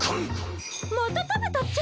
また食べたっちゃ。